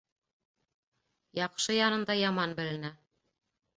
Яҡшы янында яман беленә.